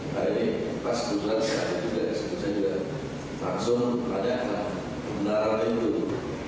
hari ini pas berusaha saya juga saya juga langsung tanya ke benar benar itu